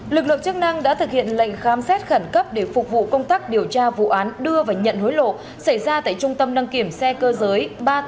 lực lượng chức năng đã thực hiện lệnh khám xét khẩn cấp để phục vụ công tác điều tra vụ án đưa và nhận hối lộ xảy ra tại trung tâm đăng kiểm xe cơ giới ba trăm tám mươi tám